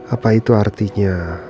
apa itu artinya